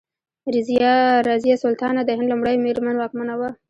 رضیا سلطانه د هند لومړۍ میرمن واکمنه وه.